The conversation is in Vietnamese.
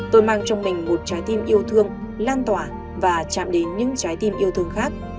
tôi mang trong mình một trái tim yêu thương lan tỏa và chạm đến những trái tim yêu thương khác